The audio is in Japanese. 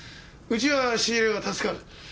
うちは仕入れが助かる。